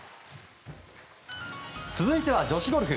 続いては、女子ゴルフ。